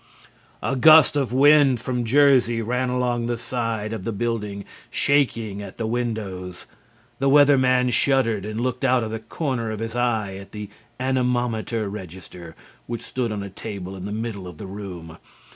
A gust of wind from Jersey ran along the side of the building, shaking at the windows. The Weather Man shuddered, and looked out of the corner of his eye at the anemometer register which stood on a table in the middle of the room.